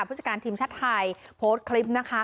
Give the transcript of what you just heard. ผู้จัดการทีมชาติไทยโพสต์คลิปนะคะ